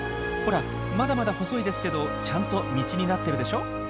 ほらまだまだ細いですけどちゃんと道になってるでしょ？